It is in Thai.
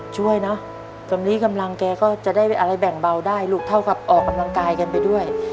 ช่วยเนอะตอนนี้กำลังแกก็จะได้อะไรแบ่งเบาได้ลูกเท่ากับออกกำลังกายกันไปด้วย